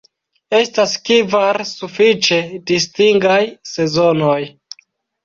Estas kvar sufiĉe distingaj sezonoj.